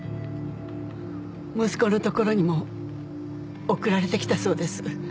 息子のところにも送られてきたそうです。